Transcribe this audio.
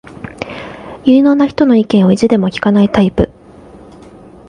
有能な人の意見を意地でも聞かないタイプ